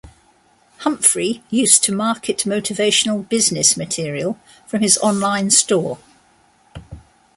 Humphrey used to market motivational business material from his online store.